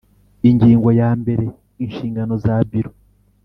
Ingingo yambrere Inshingano za Biro